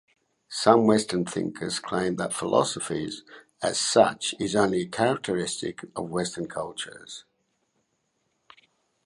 Some Western thinkers claim that philosophy as such is only characteristic of Western cultures.